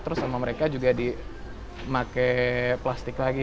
terus sama mereka juga dipakai plastik lagi